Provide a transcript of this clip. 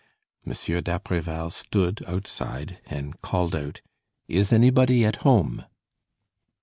Monsieur d'Apreval stood outside and called out: "Is anybody at home?"